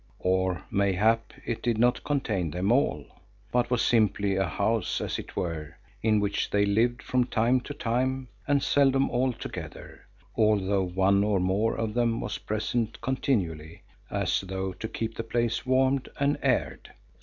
Or mayhap it did not contain them all, but was simply a house as it were, in which they lived from time to time and seldom all together, although one or more of them was present continually, as though to keep the place warmed and aired.